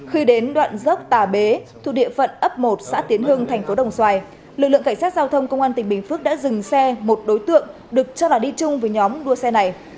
khi đến đoạn dốc tà bế thuộc địa phận ấp một xã tiến hưng thành phố đồng xoài lực lượng cảnh sát giao thông công an tỉnh bình phước đã dừng xe một đối tượng được cho là đi chung với nhóm đua xe này